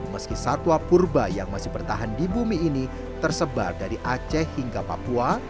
meski satwa purba yang masih bertahan di bumi ini tersebar dari aceh hingga papua